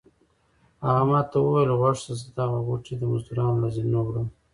هغه ما ته وویل غوږ شه زه دغه غوټې د مزدورانو له زینو وړم.